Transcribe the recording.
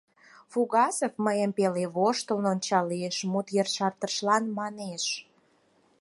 Фугасов мыйым пеле воштылын ончалеш, мут ешартышлан манеш: